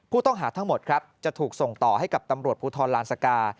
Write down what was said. ผู้ต้องหาทั้งหมดครับจะถูกส่งต่อให้กับตำรวจภูทรลานสกา